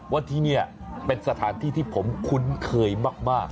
ว่าที่นี่เป็นสถานที่ที่ผมคุ้นเคยมาก